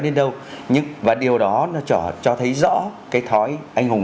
đến đâu nhưng và điều đó nó cho thấy rõ cái thói anh hùng